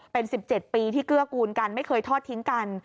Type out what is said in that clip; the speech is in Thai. เป็น๑๗ปีที่เกื้อกูลกันไม่เคยทอดทิ้งกัน